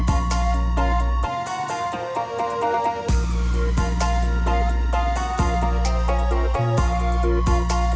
anjir dia bener